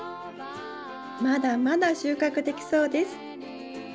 まだまだ収穫できそうです。